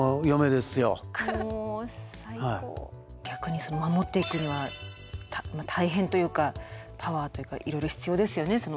逆に守っていくには大変というかパワーというかいろいろ必要ですよね